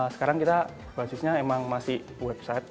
sekarang kita basisnya emang masih website